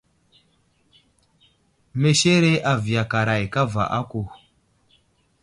Meshere a viyakaray kava aku.